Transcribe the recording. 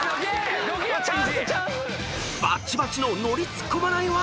［バッチバチの］